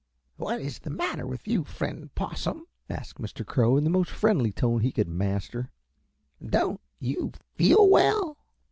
"What is the matter with you, Friend Possum?" asked Mr. Crow in the most friendly tone he could master. "Don't you feel well?"